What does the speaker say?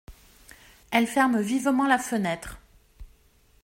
Elle ferme vivement la fenêtre.